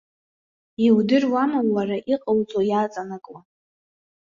Иудыруама, уара иҟоуҵо иаҵанакуа?